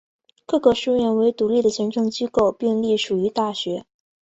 各个书院为独立的行政机构并隶属于大学。